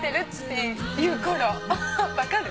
分かる？